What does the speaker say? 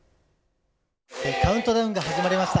カウントダウンが始まりました。